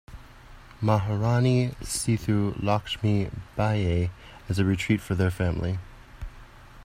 Maharani Sethu Lakshmi Bayi, as a retreat for their family.